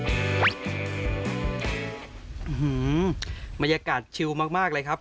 อื้อฮือมันมีอากาศชิวมากเลยครับ